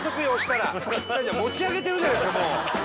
持ち上げてるじゃないですか。